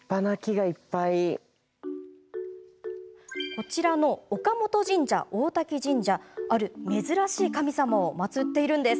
こちらの岡太神社・大瀧神社ある珍しい神様を祭ってるんです。